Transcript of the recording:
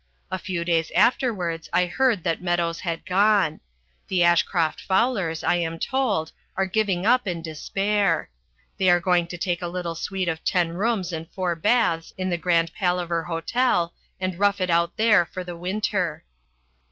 A few days afterwards I heard that Meadows had gone. The Ashcroft Fowlers, I am told, are giving up in despair. They are going to take a little suite of ten rooms and four baths in the Grand Palaver Hotel, and rough it there for the winter.